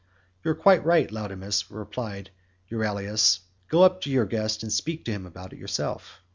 "You are quite right, Laodamas," replied Euryalus, "go up to your guest and speak to him about it yourself."